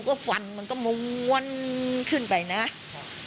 ก็ออกไปดูก็ฝันมันก็ม้วนขึ้นไปนะฮะ